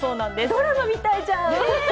ドラマみたいじゃん！